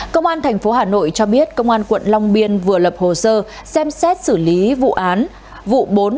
công an tp hà nội cho biết công an quận long biên vừa lập hồ sơ xem xét xử lý vụ án vụ bốn